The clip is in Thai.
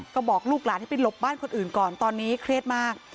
ก็บอกลูกหลานให้ไปหลบบ้านคนอื่นก่อนตอนนี้เครียดมาก